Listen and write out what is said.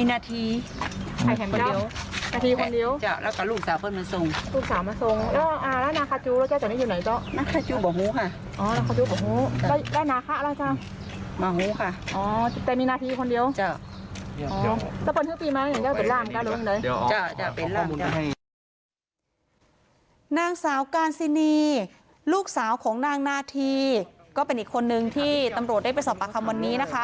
นางสาวการซินีลูกสาวของนางนาธีก็เป็นอีกคนนึงที่ตำรวจได้ไปสอบปากคำวันนี้นะคะ